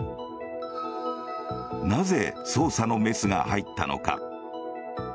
なぜ捜査のメスが入ったのか。